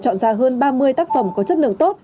chọn ra hơn ba mươi tác phẩm có chất lượng tốt